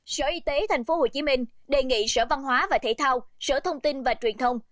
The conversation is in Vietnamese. sở y tế tp hcm đề nghị sở văn hóa và thể thao sở thông tin và truyền thông